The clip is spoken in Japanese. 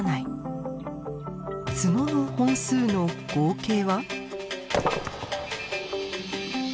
角の本数の合計は？